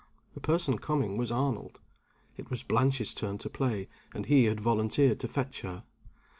The person coming was Arnold. It was Blanche's turn to play, and he had volunteered to fetch her.